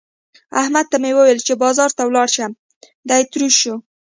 احمد ته مې وويل چې بازار ته ولاړ شه؛ دی تروش شو.